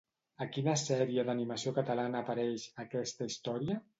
A quina sèrie d'animació catalana apareix, aquesta història?